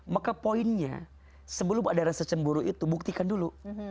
maka poinnya sebelum ada rasa cemburu itu buktikan dulu